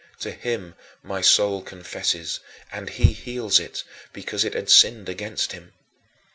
To him my soul confesses, and he heals it, because it had sinned against him.